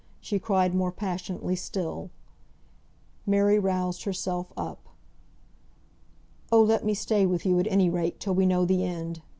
She cried more passionately still. Mary roused herself up. "Oh, let me stay with you, at any rate, till we know the end.